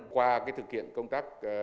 qua thực hiện công tác